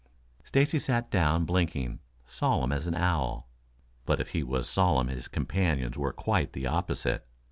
Stacy sat down blinking, solemn as an owl. But if he was solemn his companions were quite the opposite.